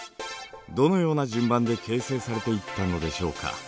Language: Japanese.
どのような順番で形成されていったのでしょうか。